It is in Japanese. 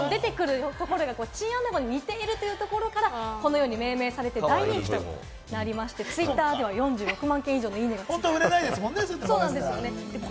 土から出てくるところがチンアナゴに似ているというところから、このように命名されて大人気となりまして、ツイッターでは４６万件以上の「いいね！」がついています。